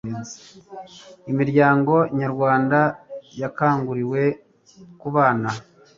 imiryango nyarwanda yakanguriwe kubana